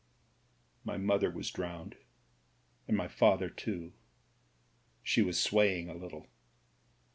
"My mother was drowned, and my father too." She was swaying a little.